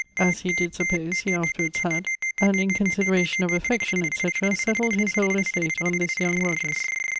As he did suppose, he afterwards had; and in consideration of affection, etc., settled his whole estate on this young Rogers.